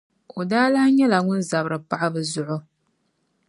O daa lahi nyɛla ŋun zabiri paɣiba zuɣu.